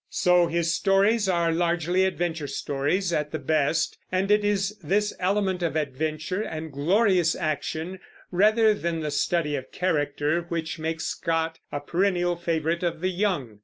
So his stories are largely adventure stories, at the best; and it is this element of adventure and glorious action, rather than the study of character, which makes Scott a perennial favorite of the young.